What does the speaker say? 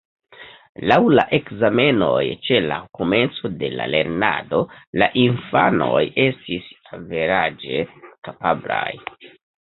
Laŭ la ekzamenoj ĉe la komenco de la lernado la infanoj estis averaĝe kapablaj.